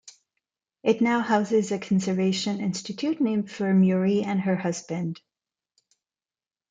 It now houses a conservation institute named for Murie and her husband.